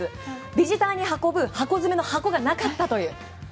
ビジターに運ぶ箱詰めの箱がなかったという。